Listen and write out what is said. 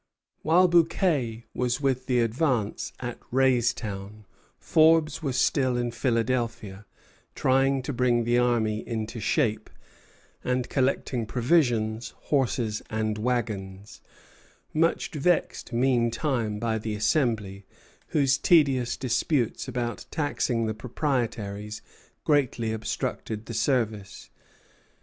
While Bouquet was with the advance at Raystown, Forbes was still in Philadelphia, trying to bring the army into shape, and collecting provisions, horses, and wagons; much vexed meantime by the Assembly, whose tedious disputes about taxing the proprietaries greatly obstructed the service.